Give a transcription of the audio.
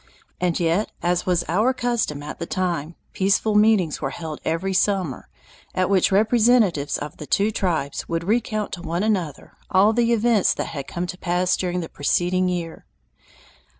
And yet, as was our custom at the time, peaceful meetings were held every summer, at which representatives of the two tribes would recount to one another all the events that had come to pass during the preceding year.